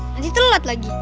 nanti telat lagi